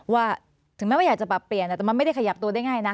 ถึงแม้ว่าอยากจะปรับเปลี่ยนแต่มันไม่ได้ขยับตัวได้ง่ายนะ